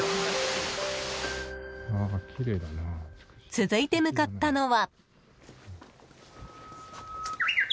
続いて向かったのは。